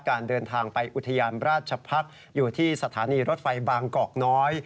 การเดินทางไปอุทยานราชพักษ์อยู่ที่สถานีรถไฟบางกอกน้อย